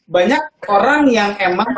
banyak orang yang emang